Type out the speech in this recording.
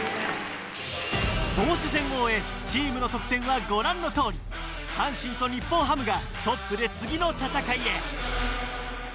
投手戦を終えチームの得点はご覧のとおり阪神と日本ハムがトップで次の戦いへ